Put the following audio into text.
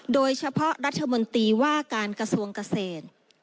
โดยเฉพาะรัฐมนตรีว่าการกระทรวงเกษตร